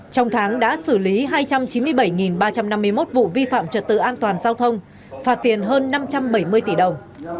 trong tháng đã xử lý hai trăm chín mươi bảy ba trăm năm mươi một vụ vi phạm trật tự an toàn giao thông phạt tiền hơn năm trăm bảy mươi tỷ đồng